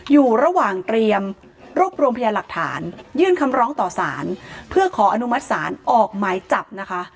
อยู่ระหว่างเตรียมรวบรวมพยานหลักฐานยื่นคำร้องต่อสารเพื่อขออนุมัติศาลออกหมายจับนะคะ